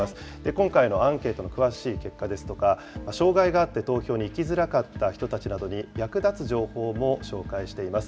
今回のアンケートの詳しい結果ですとか、障害があって投票に行きづらかった人たちなどに役立つ情報も紹介しています。